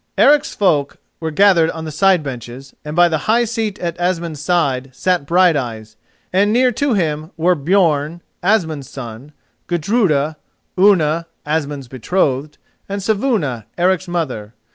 Eric's folk were gathered on the side benches, and by the high seat at Asmund's side sat Brighteyes, and near to him were Björn, Asmund's son, Gudruda, Unna, Asmund's betrothed, and Saevuna, Eric's mother.